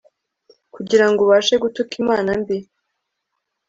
kugirango ubashe gutuka imana mbi